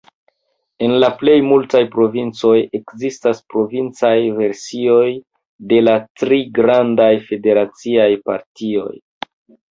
En la plej multaj provincoj ekzistas provincaj versioj de la tri grandaj federaciaj partioj.